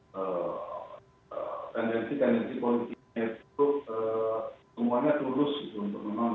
tendensi tendensi politiknya itu semuanya tulus gitu untuk memang